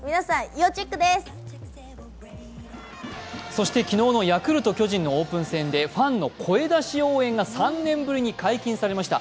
そして昨日のヤクルト×巨人のオープン戦で、ファンの声出し応援が３年ぶりに解禁されました。